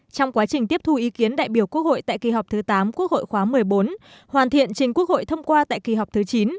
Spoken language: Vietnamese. trong quá trình tiếp thu ý kiến đại biểu quốc hội tại kỳ họp thứ tám quốc hội khóa một mươi bốn hoàn thiện trình quốc hội thông qua tại kỳ họp thứ chín